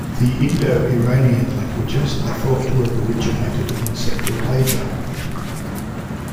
The Indo-Iranian languages are thought to have originated in Central Asia.